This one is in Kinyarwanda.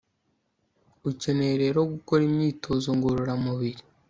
Ukeneye rero gukora imyitozo ngororamubiri